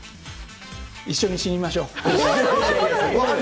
一緒に死にましょう。